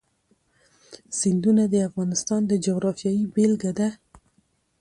سیندونه د افغانستان د جغرافیې بېلګه ده.